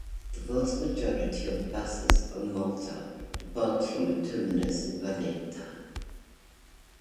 The vast majority of buses on Malta depart from a terminus in Valletta.